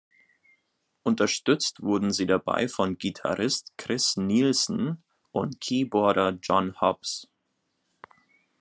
Unterstützt wurden sie dabei von Gitarrist Chris Nielsen und Keyboarder John Hobbs.